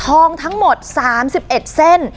ทองทั้งหมดสามสิบเอ็ดเส้น